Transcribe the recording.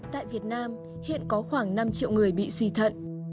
tại việt nam hiện có khoảng năm triệu người bị suy thận